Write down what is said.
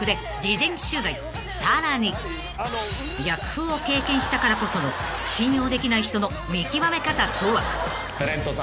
［さらに逆風を経験したからこその信用できない人の見極め方とは］